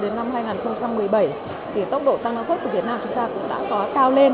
giai đoạn từ năm hai nghìn một mươi một hai nghìn một mươi bảy thì tốc độ tăng năng suất của việt nam chúng ta cũng đã có cao lên